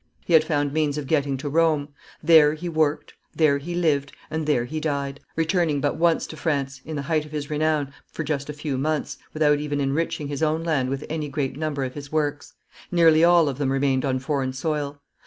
He had found means of getting to Rome; there he worked, there he lived, and there he died, returning but once to France, in the height of his renown, for just a few months, without even enriching his own land with any great number of his works; nearly all, of them remained on foreign soil.